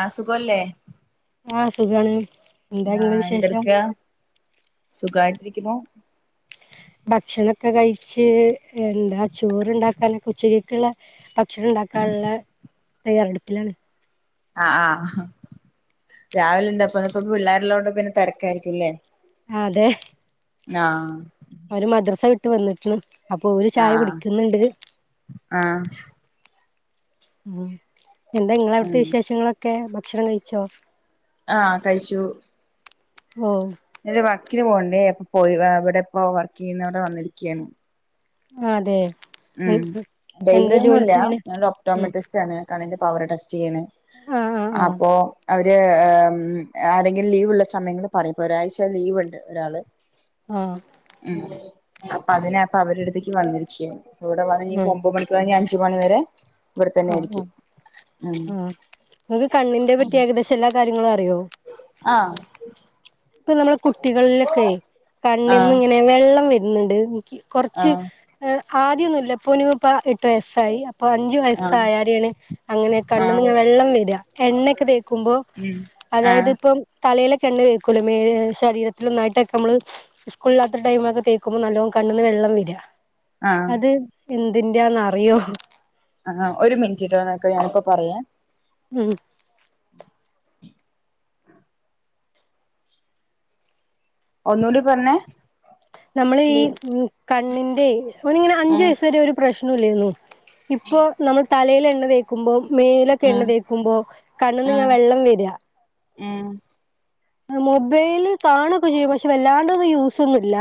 ആഹ് സുഖോല്ലേ ആഹ് സുഖാണ് എന്താ ഇങ്ങളെ ആഹ് വിശേഷം എന്തെട്ക്കാ സുഖായിട്ടിരിക്കുന്നു ഭക്ഷണൊക്കെ കഴിച്ച് എന്താ ചോറ്ണ്ടാക്കാനൊക്കെ ഉച്ചക്കക്കുള്ള ഭക്ഷണം ഇണ്ടാക്കാള്ള തയ്യാറെടുപ്പിലാണ് ആഹ് ആഹ് രാവിലെ എന്താപ്പ ഇന്നിപ്പ പിള്ളേരിള്ളോണ്ട് പിന്നെ തെരക്കായിരിക്കും ഇല്ലേ അതെ ആഹ് അവര് മദ്രസ വിട്ട് വന്നിക്കിണ് അപ്പൊ ഓര് ചായ കുടിക്കുന്നുണ്ട് ആഹ് ഉം എന്താ നിങ്ങളവിടുത്തെ ഉം വിശേഷങ്ങളൊക്കെ ഭക്ഷണം കഴിച്ചോ ആഹ് കഴിച്ചു വോ ഇത് വർക്കിന് പോകണ്ടേ അപ്പൊ പോയി വ ഇവടിപ്പോ വർക്ക് ചെയ്യുന്ന അവിടെ വന്നിരിക്കയാണ് അതെ ഉം ഡെയ്‌ലി എന്താ ഒന്നും ജോലി ഇല്ല ചെയ്യണെ ഞാനൊരു ഉം ഒപ്റ്റോമെട്രിസ്റ്റ് ആണ് കണ്ണിന്റെ പവർ ടെസ് ചെയ്യണെ ആഹ് ആഹ് അപ്പൊ അവ ര് ആഹ് ആരെങ്കിലും ലീവുള്ള സമയങ്ങള് പറയും ഇപ്പൊ ഒരാഴ്ച്ച ലീവിണ്ട് ഒരാള് ആഹ് ഉം അപ്പ അതിനപ്പ അവരുടടുത്തേക്ക് വന്നിരിക്കയാണ്. ഇവ്ട പറഞ്ഞിപ്പ ഒമ്പത് മണി കഴിഞ്ഞ് അഞ്ച് മണി വരെ ഇവിടെ തന്നെ അഹ് അഹ് ആയിരിക്കും ഉം നിങ്ങക്ക് കണ്ണിന്റെ പറ്റി ഏകദേശം എല്ലാ കാര്യങ്ങളും അറിയോ ആഹ് ഇപ്പം നമ്മള കുട്ടികളിലൊക്കെ ആഹ് കണ്ണീന്നിങ്ങനെ വെള്ളം വരുന്നിണ്ട് എനിക്ക് കൊറച്ച് ആഹ് എഹ് ആദ്യോന്നു ഇല്ല ഇപ്പ ഓന് ഇപ്പ എട്ടു വയസ്സായി അപ്പൊ അഞ്ചു ആഹ് വയസ്സായരേണ് അങ്ങനെ ആഹ് കണ്ണ്ന്നിങ്ങനെ വെള്ളം വരാ എണ്ണെക്കെ തേക്കുമ്പോ ഉം ആഹ് അതായതിപ്പം തലയിലൊക്കെ എണ്ണ തേക്കൂലേ മേലി ശരീരത്തിലൊന്നായിട്ടൊക്ക നമ്മള് സ്കൂളില്ലാത്ത ടൈമൊക്കെ തേക്കുമ്പോ നല്ലോം കണ്ണിന്ന് വെള്ളം വര്വ ആഹ് അത് എന്തിന്റെയാന്ന് അറിയോ ആഹ് ഒരു മിനിറ്റിട്ടോ നിക്ക് ഞാനിപ്പ പറയാം ഉം ഒന്നൂടി പറഞ്ഞെ നമ്മളീ ഉം കണ്ണിന്റെ അവനിങ്ങനെ അഞ്ചു ഉം വയസ്സ് വരെ ഒരു പ്രശ്നോം ഇല്ലേര്ന്ന് ഇപ്പൊ നമ്മള് തലയിൽ എണ്ണ തേ ക്കുമ്പം മേലൊക്കെ എണ്ണ ഉം തേക്കുമ്പോ കണ്ണ്ന്നിങ്ങനെ വെള്ളം വെര്വ ഉം മൊബൈല് കാണൊക്കെ ചെയ്യും പക്ഷെ വല്ലാണ്ട്ത് യൂസൊന്നു ഇല്ല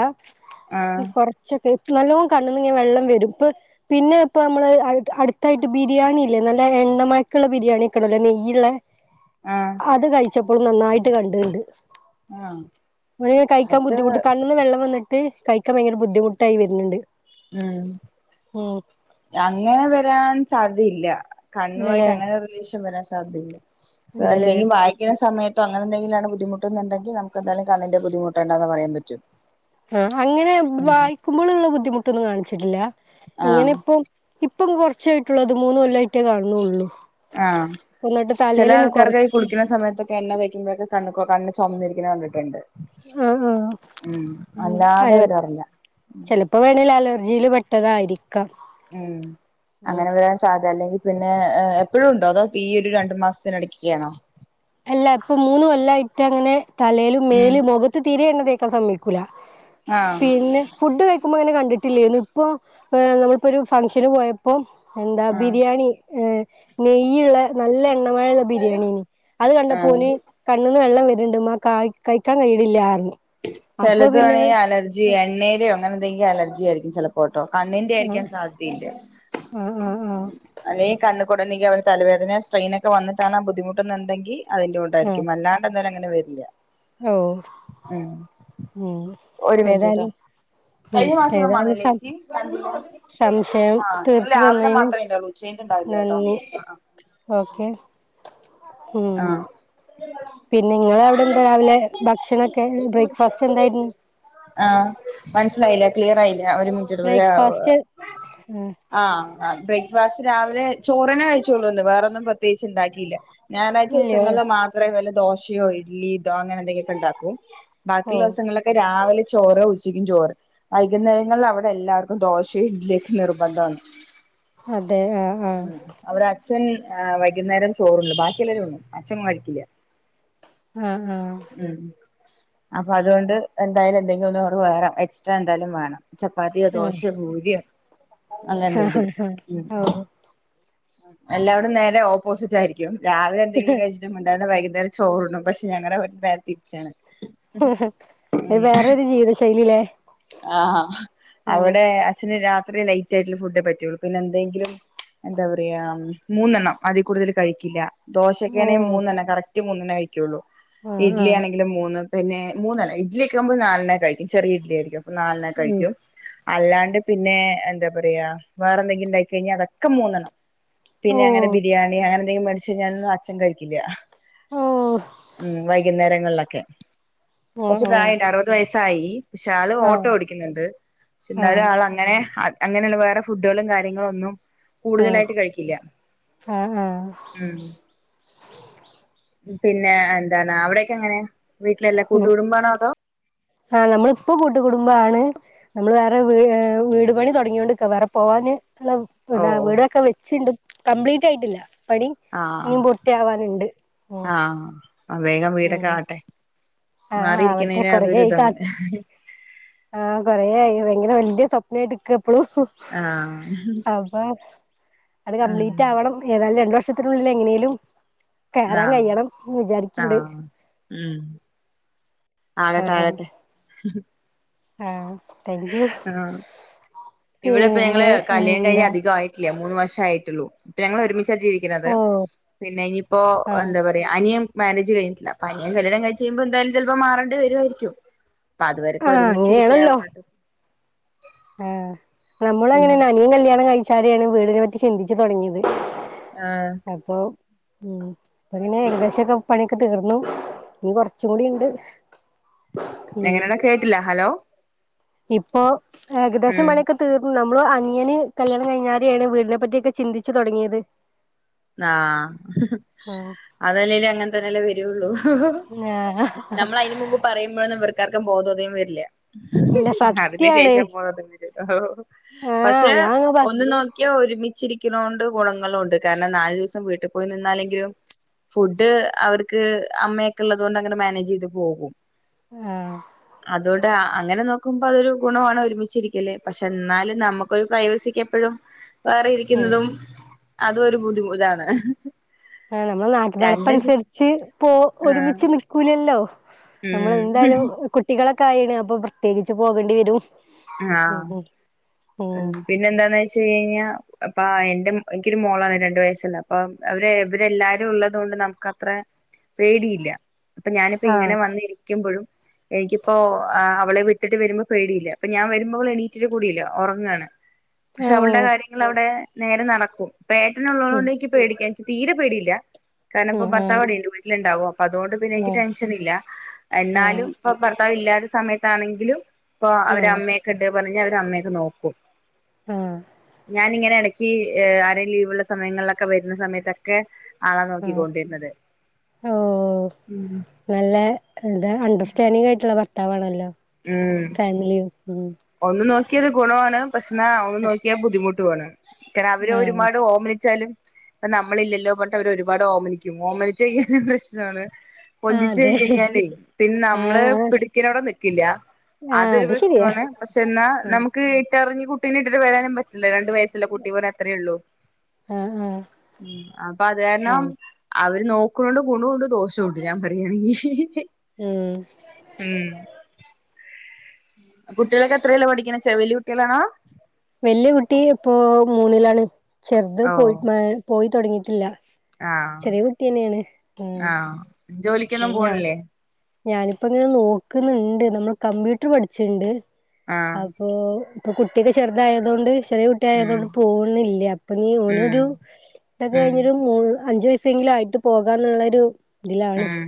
ആഹ് കൊറ ച്ചക്കെ ഇപ്പം നല്ലോം കണ്ണന്നിങ്ങനെ വെള്ളം വരും ഇപ്പ പിന്നെ ഇപ്പ നമ്മള് അട് അടുത്തായിട്ട് ബിരിയാണി ഇല്ലേ നല്ല എണ്ണമയക്കെള്ള ബിരിയാണിക്കെണ്ടല്ലോ നെയ്യെള്ള ആഹ് അത് കഴിച്ചപ്പളും നന്നായിട്ട് കൺ [unintelligible] ആഹ് കഴിക്കാൻ അത് ബുദ്ധിമുട്ട് കണ്ണിന്ന് വെള്ളം വന്നി ട്ട് കഴിക്കാൻ ഭയങ്കര ബുദ്ധിമുട്ടായി വരന്നെണ്ട് ഉം അങ്ങനെ വരാൻ സാധ്യതയില്ല കണ്ണുവായിട്ട് ഇല്ലല്ലേ അങ്ങനെ റിലേഷൻ വരാൻ സാധ്യതയില്ല ഇല്ലല്ലേ എന്തെങ്കിലും വായ് ക്കാൻ സമയത്തും അങ്ങനെ എന്തെങ്കിലും ആണ് ബുദ്ധിമുട്ടുന്നുണ്ടെങ്കി നമുക്കെന്തായാലും കണ്ണിൻ്റെ ബുദ്ധിമുട്ടുകൊണ്ടെന്ന് പറയാൻ പറ്റും ആഹ് അങ്ങനെ ഉം വായിക്കുമ്പോളിള്ള ബുദ്ധിമുട്ടൊന്നും കാണിച്ചട്ടില്ല ആഹ് ഇങ്ങനെ ഇപ്പൊ ഇപ്പം കൊറച്ചേ ആയിട്ടുള്ളൂ അത് മൂന്ന് കൊല്ലായി ആഹ് എന്നിട്ട് ചെല തലയിലന്നെ ആൾക്കാർക്ക് കൊറച്ച് കുളിക്കുന്ന സമയത്ത് എണ്ണ തേക്കുമ്പഴക്കെ കണ്ണ് ക ചൊമന്നിരിക്കണ കണ്ടിട്ടെണ്ട് ആ ആ ഉം അല്ലാതെ വരാറില്ല ചിലപ്പോ വേണേൽ അലർജിയിൽ പെട്ടതായിരിക്കാം ഉം ഉം അങ്ങനെ വരാൻ സാധ്യത അല്ലെങ്കിൽ പിന്നെ എപ്പഴും ഉണ്ടോ അതോ ഈ ഒരു രണ്ടു മാസത്തിന് എടക്കെക്കുകയാണോ അല്ല ഇപ്പൊ മൂന്നു കൊല്ലം ആയിട്ട് അങ്ങനെ തലയിലും ഉം മേലും മുഖത്ത് തീരയേണ്ണതേക്കാൻ സമ്മതിക്കൂല ആഹ് പിന്നെ ഫുഡ് കഴിക്കുമ്പോ അങ്ങനെ കണ്ടിട്ടില്ലേരുന്നു ഇപ്പൊ നമ്മളിപ്പോ ഒരു ഫംഗ്ഷന് പോയ പ്പൊ എന്താ ആഹ് ബിരിയാണി നെയ്യുള്ള നല്ല എണ്ണമയള്ള ബിരിയാണി അത് ആഹ് കണ്ടപ്പോന് കണ്ണന്ന് വെള്ളം വരണ്ട് ക കഴിക്കാൻ കയിണില്ലന്ന് ചെലത് ആണെങ്കി അലർജി എണ്ണയുടെ അങ്ങനെ എന്തെങ്കിലും അലർജി ആയിരിക്കും ചിലപ്പോ ഫോട്ടോ കണ്ണിന്റെ ആഹ് ആയിരിക്കാൻ സാധ്യതയില്ല ആഹ് ആഹ് ആഹ് അല്ലെങ്കി കണ്ണികൂടെ ഒന്നെങ്കിൽ അവന് തലവേദന സ്ട്രെയിനൊക്കെ വന്നിട്ടാണ് ആ ബുദ്ധിമുട്ടുണ്ടെങ്കി അതിന്റെ കൊണ്ടായിരിക്കും അല്ല തെ അങ്ങനെ വരില്ല ഓ ഉം ഒരു മിനിറ്റ് കേട്ടോ ഏതായാലും ഉം കഴിഞ്ഞ മാസം ഒന്നും വന്നി ഏതായാലും സം ലേച്ചി സംശയം ആ നിങ്ങള്ൾ തീർത്ത് ലാവലെ തന്നതിന് മാത്രമേ ഉണ്ടാവുള്ളൂ ചെയ്ഞ്ച്ണ്ടാവില്ലട്ടോ നന്ദി അ അ ഓക്കെ ഉം എന്തൊരു മഴ പിന്നെ നിങ്ങള് അവിടെ എന്താ രാവിലെ ഭക്ഷണൊക്കെ ബ്രേക്ക്ഫാസ്റ്റ് എന്തായിരുന്നു ആഹ് മനസിലായില്ല ക്ലിയർ ആയില്ല ഒരു മിനിറ്റ് ഇവ രാവോ ബ്രേക്ക്ഫാസ്റ്റ് ആഹ് ആ ബ്രേക്ക്ഫാസ്റ്റ് രാവിലെ ചോറിനെ കഴിച്ചോള്ളൂന്ന് വേറൊന്നും പ്രത്യേകിച്ച് ഇണ്ടാക്കിയില്ല ഞായറാഴ്ച ഇല്ലയോ ദിവസങ്ങളിൽ മാത്രേ വല്ല ദോശയോ ഇഡ്ലി ഇതോ അങ്ങനെ എന്തെങ്കിലുമൊക്കെ ഉണ്ടാക്കും ഓ ബാക്കിയുള്ള ദിവസങ്ങളിലൊക്കെ രാവിലെ ചോറ് ഉച്ചക്കും ചോറ് വൈകുന്നേരങ്ങളിൽ അവിടെ എല്ലാവർക്കും ദോശ ഇഡലി ഒക്കെ നിർബന്ധമാണ് അതെ ആഹ് ആഹ് അവടെ അച്ഛൻ വൈകുന്നേരം ചോറുണ്ണും ബാക്കി എല്ലരും ഉണ്ണും അഛൻ കഴിക്കില്ല ആഹ് ആഹ് ഉം അപ്പൊ അതുകൊണ്ട് എന്തായാലും എന്തെങ്കിലും ഒന്നോടെ വേണം എക്സ്ട്രാ എന്തായാലും വേണം ചപ്പാത്തിയോ ആഹ് ദോശയോ പൂരിയോ അങ്ങനെ എന്തെങ്കിലും ആഹ് ആഹ് ഓഹ് എല്ലാവടും നേരെ ഓപ്പോസിറ്റ് ആയിരിക്കും രാവിലെ എന്തെങ്കിലും കഴിച്ച മിണ്ടാണ്ട് വൈകുന്നേരം ചോറുണ്ണും പക്ഷെ ഞങ്ങളുടെ വീട്ടില് നേരെ തിരിച്ചാണ് ഹഹ അത് ഉം വേറൊരു ജീവിത ശൈലില്ലേ ആഹ് അവിടെ അച്ഛന് രാത്രി ലൈ- - റ്റായിറ്റ ഫുഡേ പറ്റുള്ളൂ പിന്നെ എന്തെങ്കിലും എന്താ പറയാ മൂന്നെണ്ണം അതി കൂടുതൽ കഴിക്കില്ല ദോശൊക്കെ ആണെങ്കിൽ ഓഹ് മൂന്നെണ്ണം കറക്റ്റ് മൂന്നെണ്ണ കഴിക്കുള്ള ആഹ് ഇഡലി ആഹ് ആണെങ്കും മൂന്ന് പിന്നെ മൂന്നെല്ല ഇഡലി ക്കെ ആക്കുമ്പോ നാലെണ്ണ കഴിക്കും ചെറിയ ഇഡലി ആയിരിക്കും അപ്പ നാലെണ്ണ ഉം കഴിക്കും അല്ലാണ്ട് പിന്നെ എന്താ പറയാ വേറെന്തെങ്കിലും ഉണ്ടായി കഴിഞ്ഞാൽ അതൊക്കെ മൂന്നെണ്ണം പിന്നെ അങ്ങനെ ഓഹ് ബിരിയാണി അങ്ങനെ എന്തെങ്കിലും മേടിച്ച് കഴിഞ്ഞാലൊനൊന്നും അച്ഛൻ കഴിക്കില്ല ഓഹ് ഉം വൈകുന്നേരങ്ങളിലൊക്കെ കുറച്ച് പ്രായം ഉണ്ട് അറു പത് വയസായി പക്ഷെ ആൾ ആഹ് ആഹ് ഓട്ടോ ഓടിക്കുന്നുണ്ട് പക്ഷെ എന്നാലും ആഹ് ആ ൾ അങ്ങനെ അങ്ങനെയുള്ള വേറെ ഫുഡുകളും കാര്യങ്ങളും ഒന്നും ആഹ് കൂടുതലായിട്ട് ആഹ് കഴിക്കില്ല ആഹ് ആഹ് ഉം പിന്നെ എന്താണ് അവിടെക്കെ എങ്ങനെ വീട്ടിലെല്ലാ കൂട്ടു ഉം കുടുംമ്പാണോ അതോ ആഹ് നമ്മളിപ്പം കൂട്ടു കുടുംബമാണ് നമ്മള് വേറെ വി വീട് പണി തുടങ്ങികൊണ്ട് രിക്ക വേറെ പോവാന് ളം ഓ ഓ അവിടെയൊക്കെ വെച്ചുണ്ട് കംപ്ലീറ്റ് ആയിട്ടില്ല പണി ആഹ് ഇനിയും ബുർത്തിയാവാനുണ്ട് ഓഹ് ആഹ് ആ വേഗം വീടൊക്കെ ആക്കട്ടെ ആഹ് ആവട്ടെ മാറിയിരിക്കുന്നതിന് അതൊരു കൊറേയായി കാ ഇതാണ് ആഹ് കൊറെയായി ഭയങ്കര വലിയ സ്വപ്നമായിട്ട് നിക്കാ ഇപ്പോളും ആഹ് ആ അപ്പ അത് കംപ്ലീറ്റ് ആവണം ഏതായാലും രണ്ടു വർഷത്തിനുള്ളിൽ എങ്ങനെലും കേറാൻ ആഹ് കഴിയണം എന്ന് വിചാരിക്കണ്ട് ആഹ് ഉം ആകട്ടെ ആഹ് ആകട്ടെ ആഹ് താങ്ക് യു ആഹ് ഇവിടെ ഇപ്പം ഞങ്ങള് പിന്നെ കല്യാണം കഴിഞ്ഞ് എന്താ അധികായി ട്ടില്ല മൂന്ന് വർഷായിട്ടൊള്ളു ഇപ്പം ഞങ്ങള് ഒരുമിച്ചാ ജീവി ക്കണത് ഓഹ് പിന്നെ ഇനിയിപ്പോ ആഹ് എന്താ പറയാ അനിയൻ മാര്യേജ് കഴിഞ്ഞിട്ടില്ല അപ്പം അനിയൻ കല്യാണം കഴിച്ച് കഴിയുമ്പോൾ എന്തായാലും ചെലപ്പോ മാറണ്ടി വരുവായിരിക്കും അപ്പൊ അതുവരേക്കും ആഹ് ഒരുമിച്ചിരിക്കാ അങ്ങനെയാണല്ലോ പറഞ്ഞിട്ട് ആഹ് ഇപ്പം നമ്മളും ഉം അങ്ങനെ തന്നെയാ അനിയൻ കല്യാണം കഴിച്ചാലെയാണ് വീടിനെ പറ്റി ചിന്തിച്ചു തൊടങ്ങീയത് ആഹ് അപ്പൊ ഉം എങ്ങനെയാ ഏകദേശമൊക്കെ പണിയൊക്കെ തീർന്നു ഇനി കൊറച്ചും കൂടി ഇണ്ട് എങ്ങനെയാടാ കേട്ടില്ല ഹലോ ഇപ്പൊ ഏകദേശം ഉം പണിയൊക്കെ തീർന്നു നമ്മള് അനിയന് കല്യാണം കഴിഞ്ഞാലെയാണ് വീടിനെപ്പറ്റിയൊക്കെ ചിന്തിച്ചു തൊടങ്ങിയത് ആഹ് ആഹ് അതല്ലേലും അങ്ങനെ തന്നെ അല്ലേ വരുവൊള്ളൂ ആഹ് നമ്മള് അയിന് മുമ്പ് പറയുമ്പോഴൊന്നും ഇവർക്കാർക്കും ബോധോദയം വരില്ല ഇല്ല അതിന് സത്യാണ് ശേഷം ബോധോദയം വരും ആഹ് ആഹ് പക്ഷെ ഞാൻങ്ങ പ ഒന്ന് നോ ക്കിയാ ഒരുമിച്ചിരിക്കണോണ്ട് ഗുണങ്ങളും ഉണ്ട് കാരണം നാലൂദിസം വീട്ടിൽ പോയി നിന്നാലെങ്കിലും ഫുഡ് അവർക്ക് അമ്മയൊക്കെ ഉള്ളതോണ്ട് അങ്ങനെ മാനേജ് ചെയ്ത് പോകും. ആഹ് അതോണ്ട് അങ്ങനെ നോ ക്കുമ്പോ അതൊരു ഗുണവാണ് ഒരുമിച്ചിരിക്കല് പക്ഷെ എന്നാലും നമുക്കൊരു പ്രൈവസിക്ക് എപ്പഴും വേറെ ഉം ഇരിക്കുന്നതും അതും ഒരു ബുദ്ധിമു ഇതാണ് ആഹ് നമ്മള് നാട്ടുനടപ്പനുസരിച്ച് പോ ആഹ് ഒരുമിച്ച് നിക്കൂലല്ലോ നമ്മൾ ഉം എന്തായാലും കുട്ടികളൊക്കെ ആയിണ് അപ്പൊ പ്രത്യേകിച്ച് പോകേണ്ടി വരും ഉം ആഹ് ഉം ഉം പിന്നെ എന്താന്ന് വെ ച്ച് കഴിഞ്ഞാൽ അപ്പം എന്റെ എനിക്കൊരു മോളാന്ന് രണ്ടു വയസുള്ള അപ്പൊ അവര് ഇവര് എല്ലാരും ഉള്ളതോണ്ട് നമുക്കാ അത്ര പേടിയില്ല അപ്പൊ ഞാനിപ്പോ ഇങ്ങനെ ആഹ് വന്നിരി ക്കുമ്പോഴും എനിക്കിപ്പോ അവളെ വിട്ടിട്ട് വരുംമ്പോ പേടിയില്ല അപ്പൊ ഞാൻ വരുമ്പോ അവള് എണീറ്റിട്ട് കൂടിയില്ല ഉറങ്ങാണ് പക്ഷെ അവൾടെ ആഹ് കാര്യങ്ങൾ അവിടെ നേരെ നടക്കും ഇപ്പ ഉം ഏട്ടനുളളതോണ്ടെനിക്ക് പേടിക്കാൻ എനിക്ക് തീരെ പേടിയില്ല കാരണം ഇപ്പ ഭർത്താവ് ഉം അവിടെ വീട്ടിലുണ്ടാവും അപ്പൊ അതോണ്ട് ഇപ്പം പിന്നെനിക്ക് ഉം ടെൻഷൻ ഇല്ല എന്നാലും ഉം ഇപ്പൊ ഭർത്താവ് ഇല്ലാത്ത സമയത്താണെങ്കിലും ഇപ്പൊ അവര് അമ്മയൊക്കെ ഇണ്ട് പറഞ്ഞ് കഴിഞ്ഞാൽ അവർടെ അമ്മയൊക്കെ നോക്കും ഞാനിങ്ങനെ എട ക്കീ ഏഹ് ആരേം ലീവുള്ള സമയങ്ങളിലൊക്കെ വരുന്ന സമയത്തൊക്കെ ആളാ ഉം നോക്കിക്കൊണ്ടിരുന്നത് ഓഹ് ഉം നല്ല എഹ് എന്താ അണ്ടർസ്റ്റാൻഡിങ് ആയിട്ടുള്ള ഭർത്താവ് ആണല്ലോ ഉം ഫാമിലിയും ഉം ഒന്ന് നോക്കിയത് ഗുണവാണ് പക്ഷെന്നാ ഒന്ന് നോക്കിയാ ബുദ്ധിമുട്ടുവാണ് ക്ടാവിനെ ആഹ് ഒരുമാട് ഓമനിച്ചാലും ച് പ്പ ന്നമ്മളില്ലല്ലോ പർട്ട് അവര് ഒരുപാട് ഓമനി ക്കും ഓമനിച്ച് കഴിഞ്ഞെഴിഞ്ഞാ പ്രശ്നാണ് ആഹ് കൊഞ്ചിച്ച് അതെ കഴിഞ്ഞഴിഞ്ഞാലെ പിന്നെ നമ്മള് ആഹ് ആഹ് പിടിക്കനോടെ നിക്കില്യ ആഹ് അതൊരു അത് ശരിയാ പ്രശ്നമാണ്, പക്ഷെ ന്നാ ആഹ് നമുക്ക് ഇട്ടറിഞ്ഞ് കുട്ടീന് ഇട്ടിട്ട് വരാനും പറ്റില്ല രണ്ടു വയസ് ച്ചില്ല കുട്ടി പോലെ അത്രേ ഉള്ളു, ആഹ് ആഹ് ഉം അപ്പത് കാരണം ഉം അവര് നോക്ക്ണോണ്ട് ഗുണോണ്ട് ദോഷോണ്ട് ഞാൻ പറയാണെങ്കി ഉം ഉം കുട്ട്യാളക്കെ എത്രേലാ പഠിക്കന്നെ ചെവല്ല്യ കുട്ട്യാളാണോ വെല്യ കുട്ടി പ്പോ മൂന്നിലാണ് ചെർത് ഓ പോയി എഹ് പോയി തൊടങ്ങീട്ടില്ല ആഹ് ചെറ്യേ കുട്ട്യന്നേണ് ഉം ആഹ് ജോലിക്കൊന്നും പോണ്ല്ലേ ഞാനിപ്പങ്ങനെ നോക്കുന്നുണ്ട് നമ്മള് കമ്പ്യൂട്ടർ പഠിച്ചിണ്ട്. ആഹ്. ഉം പ്പ കുട്യക്കെ ചെർതായതോണ്ട് ചെറ്യേ കു - ഉം ട്ട്യായതുകൊണ്ട് പോവുന്നില്യാ അപ്പൊ ന്നി ഉം ഓനൊരു തൊക്കെ ഉം കയ്ഞ്ഞിട്ട് മൂ അഞ്ച് വയസ് സെങ്കിലു ആയിട്ട് പോകാന്ന്ള്ളെരു തിലാണ്, ഉം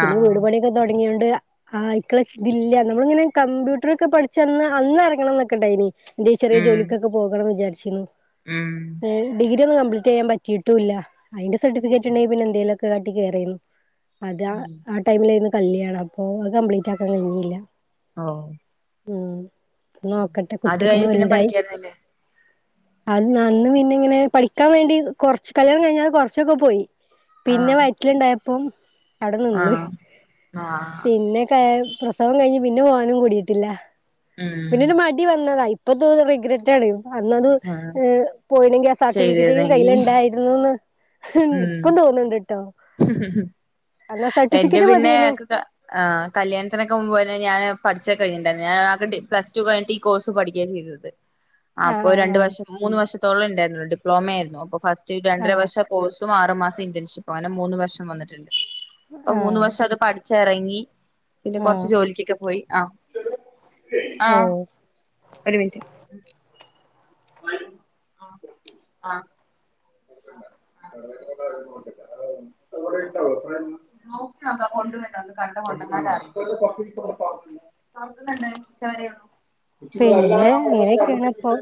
പിന്നെ വീട് ആഹ് പണി ഒക്കെ തൊടങ്ങിയോണ്ട്. ആഹ് ഇക്കള തില്ല. നമ്മളിങ്ങനെ കമ്പ്യൂട്ടറൊക്കെ പഠിച്ചന്ന് അന്ന് എറങ്ങണന്നൊക്കെ ണ്ടായിനി. ന്തേ ചെറിയ ഉം ജോലിക്കൊക്കെ പോകണം വിചാര്ച്ചിനി. ഉം. എഹ് ഡിഗ്രി ഒന്നും കംപ്ലീറ്റെയ്യാൻ പറ്റിട്ടുല്ല. അയ്ന്റെ സർട്ടിഫിക്കറ്റ്ണ്ടെങ്കി പിന്നെ എന്തേലൊക്. കാട്ടികേറീന്നു, അത് ആ, ഉം ആ ടൈമിലേരുന്നു കല്യാണം അപ്പൊ അത് കംപ്ലീറ്റ് ആക്കാൻ കഴിഞ്ഞില്ല. ആഹ് ഉം നോക്കട്ടെ അത് കുട്ട്യൊക്കൊന്നു കഴിഞ്ഞ് പിന്നെ വൽതായി. പഠിക്കായിരുന്നില്ലേ അന്ന് അന്ന് പിന്നെങ്ങനെ പഠിക്കാൻ വേണ്ടി കൊർച്ച് കല്യാണം കഴിഞ്ഞാണ്ട് കൊർച്ചൊക്കെ പോയി. പിന്നെ ആഹ് വയറ്റില് ണ്ടായപ്പം. ആഹ് ആഹ്. പിന്നെ കയ് പ്രസവം കഴിഞ്ഞ് പിന്നെ പോകാനും കൂടിയിട്ട്ല്ല. ഉം. പിന്നരു മടി വന്നതാ. ഇപ്പൊ തോന്നു റിഗ്രറ്റ് അടിക്കും. അന്നത് ആഹ് പോയിനെങ്കിൽ ആ സർട്ടിഫിക്കറ്റ് എങ്കിലും ചെയ്തിരുന്നെങ്കി കയ്യില് ണ്ടായിരുന്നുന്ന്. ഹും ഇപ്പം തോന്ന്ണ്ട് ട്ടോ. അന്നാ എന്റെ സർട്ടിഫിക്കറ്റ് പിന്നെ മതിയേന്നു ഒക്കെ ക. ആഹ് കല്യാണത്തിന് ഒക്കെ മുൻപ് തന്നെ ഞാന് പഠിച്ച്ക്ക കഴിഞ്ഞിണ്ടായിരുന്നു ഞാന് ആകെ ടി പ്ലസ്ടു കഴിഞ്ഞിട്ട് ഈ കോഴ്സ് പഠിക്കുകയാ ചെയ്തത്. ആ അപ്പൊ രണ്ടു ആഹ് വർഷം മൂന്ന് വർഷത്തോളം ഉണ്ടായിരുന്നു ഡിപ്ലോമ ആയിരുന്നു അപ്പോ ഫസ്റ്റ് രണ്ടര ആഹ് വർഷ കോഴ്സ്. തും ആറ് മാസ ഇന്റേൺഷിപ്പും അങ്ങനെ മൂന്ന് വർഷം വന്നിട്ട്ണ്ട്. ആഹ് മൂന്ന് ആഹ് വർഷം അത് പഠിച്ചെറങ്ങി പിന്നെ കൊർച്ച് ആഹ് ജോലിക്ക് ഒക്കെ പോയി. ആം ഓ ആം ഒരു മിനിറ്റ്. ആ ആഹ്. [inaudible] [inaudible] [inaudible] [inaudible] [inaudible] പിന്നെ അങ്ങനെയൊക്കെയാണ് ഇപ്പൊ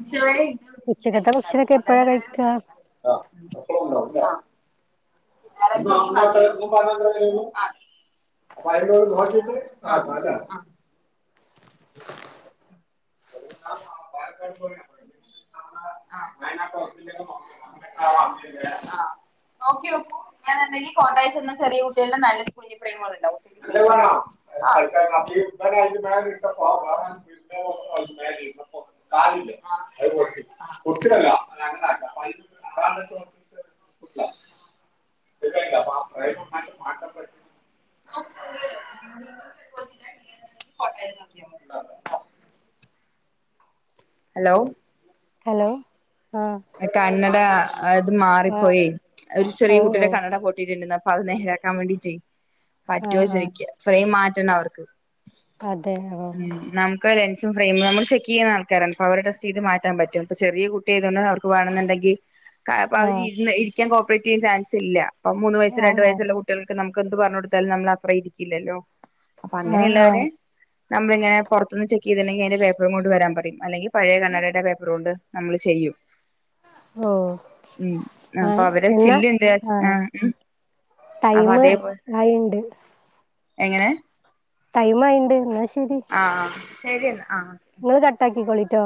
ഉച്ചവരെ. ഇത് ശേഷം ഉച്ചക്കത്തെ ഉണ്ടാകും ഭക്ഷണക്കെ എപ്പോഴാ പന്ത്രണ്ടര വരെ ഉണ്ടാകും കഴിക്കാ. [inaudible] [unintelligible] ആഹ്. [unintelligible] [unintelligible] നോക്കി നോക്കൂ. [inaudible] [unintelligible] [unintelligible] [unintelligible] [unintelligible] [unintelligible] [unintelligible] ഹലോ ഹലോ ആഹ് കണ്ണട അത് ആഹ് മാറിപ്പോയി ഒരു ഓ ചെറിയ ഓ കുട്ടിയുടെ കണ്ണട പൊട്ടിട്ടുണ്ടെന്ന് അത് നേരെയാക്കാൻ വേണ്ടീറ്റ് പറ്റുവോ ആഹ് ആഹ് ചോയിക്കാ ഫ്രെയിം മാറ്റണ്ട അവർക്ക് അതെ ഓ ഉം നം ക്ക് ലെൻസും ഫെയിമ് നമ്മൾ ചെക്ക് ചെയ്യണ ആൾക്കാരാണ് അപ്പോ അവരെ ടെസ്റ്റ് ചെയ്ത് മാറ്റാൻ പറ്റും ഇപ്പ ചെറിയ കുട്ടിയായതുകൊണ്ട് അവർക്ക് ക്കുവാണെന്നുണ്ടെങ്കി ക്ക അപ്പൊ ആഹ് അവരിരുന്ന് ഇരിക്കാൻ കോപ്പറേറ്റ് ചെയ്യാൻ ചാൻസ് ഇല്ല പ്പം മൂന്ന് വയസ്സ് രണ്ടു ആഹ് വയസ്സുള്ള ആഹ് കുട്ടികൾക്ക് നമുക്ക് എന്ത് പറഞ്ഞ് കൊടുത്താലും നമ്മൾ അത്രയിരിക്കില്ലല്ലോ അപ്പൊ ആഹ് അങ്ങനെയുള്ളവരെ ആഹ് നമ്മളിങ്ങനെ പൊറത്ത്ന്ന് ചെക്ക് ചെയ്തിണ്ടെങ്കി അയിന്റെ പേപ്പറും കൊണ്ട് വരാൻ പറയും അല്ലെങ്കി പഴയ കണ്ണാടിയുടെ പേപ്പറുകൊണ്ട് നമ്മള് ചെയ്യും ഓ ഉം അപ്പൊ ആഹ് അവരെ എന്നാ ചില്ലുണ്ട് ആ ആഹ് അപ്പൊ ടൈമ് അതേപോലെ ആയിണ്ട് എങ്ങനെ ടൈം ആയിണ്ട് എന്നാ ശരി ആഹ് ആഹ് ശരിയന്നാ ആഹ് നിങ്ങള് കട്ടാക്കിക്കോളിട്ടോ